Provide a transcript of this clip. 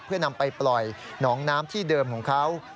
เพื่อนำไปปล่อยหนองน้ำที่เดิมของเขา